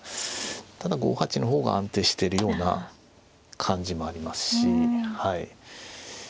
ただ５八の方が安定しているような感じもありますしはい。